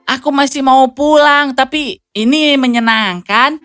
aku masih mau pulang tapi ini menyenangkan